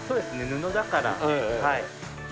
布だから。